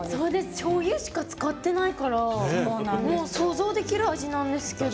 しょうゆしか使ってないから想像できる味なんですけど。